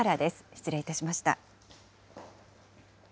失礼いたしました。